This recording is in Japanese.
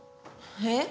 えっ？